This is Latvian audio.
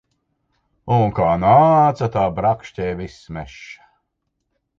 Un kā nāca, tā brakšķēja viss mežs.